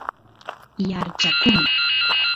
yaarchakuny